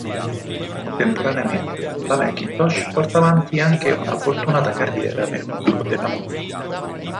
Contemporaneamente la McIntosh porta avanti anche una fortunata carriera nel mondo della moda.